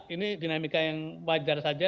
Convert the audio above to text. ini dinamika yang wajar saja